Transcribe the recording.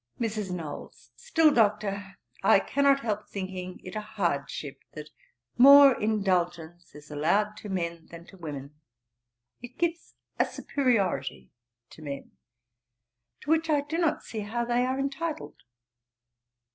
MRS. KNOWLES. 'Still, Doctor, I cannot help thinking it a hardship that more indulgence is allowed to men than to women. It gives a superiority to men, to which I do not see how they are entitled.'